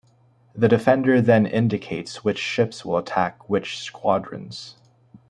The defender then indicates which ships will attack which squadrons.